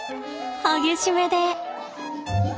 激しめで。